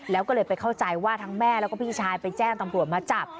แล้วก็เลยไปเข้าใจว่าทั้งแม่แล้วก็พี่ชายไปแจ้งตำรวจมาจับ